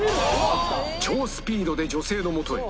超スピードで女性のもとへ。